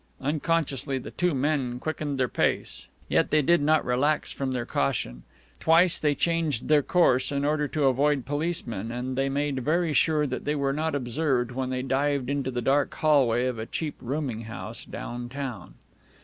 Unconsciously the two men quickened their pace. Yet they did not relax from their caution. Twice they changed their course in order to avoid policemen, and they made very sure that they were not observed when they dived into the dark hallway of a cheap rooming house down town.